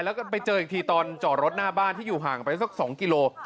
แล้วก็ไปเจออีกทีตอนจอดรถหน้าบ้านที่อยู่ห่างไปสัก๒กิโล